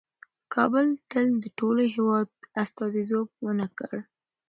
کابل تل د ټول هېواد استازیتوب ونه کړ.